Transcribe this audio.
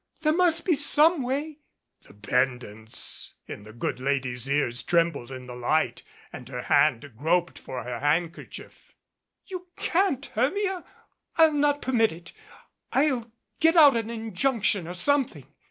There must be some way ' The pendants in the good lady's ears trembled in the light, and her hand groped for her handkerchief. "You can't, Hermia. I'll not permit it. I'll get out an injunc tion or something.